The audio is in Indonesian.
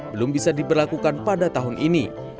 belum bisa diberlakukan pada tahun ini